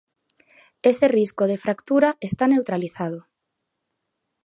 Ese risco de fractura está neutralizado.